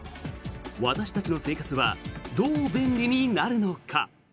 私たちの生活はどう便利になるのか。